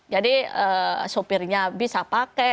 jadi sopirnya bisa pakai